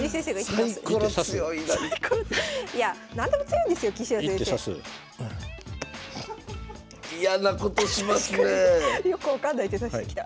確かによく分かんない手指してきた。